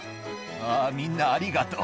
あー、みんなありがとう。